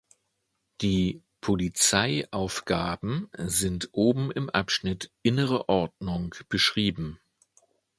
Die „Polizey-Aufgaben“ sind oben im Abschnitt "Innere Ordnung" beschrieben.